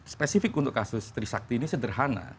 spesifik untuk kasus trisakti ini sederhana